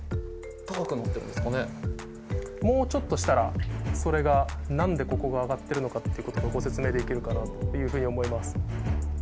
もうちょっとしたらそれが何でここが上がってるのかってことがご説明できるかなというふうに思います。